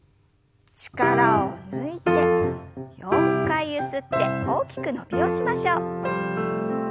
力を抜いて４回ゆすって大きく伸びをしましょう。